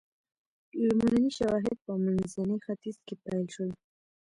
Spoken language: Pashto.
لومړني شواهد په منځني ختیځ کې پیل شول.